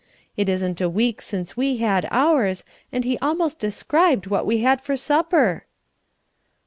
It isn't a week since we had ours, and he almost described what we had for supper."